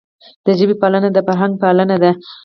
د ژبي پالنه د فرهنګ پالنه ده.